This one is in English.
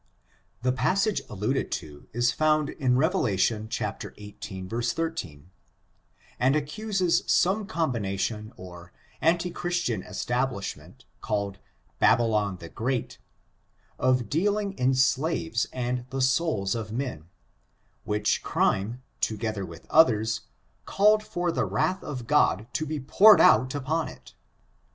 The passage alluded to is found in Rev. xviii, 13, and accuses some combination or anti Christian es tablishment, called "Babylon the Great," of deal ing in slaves and the sotils of men, which crime, to gether with others, called for the wrath of God to be poured out upon it.